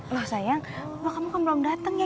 loh sayang kamu kan belum dateng ya